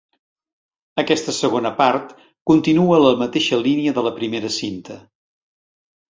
Aquesta segona part continua la mateixa línia de la primera cinta.